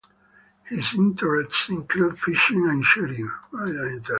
His interests include fishing and shooting.